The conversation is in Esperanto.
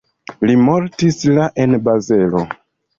Li mortis la en Bazelo.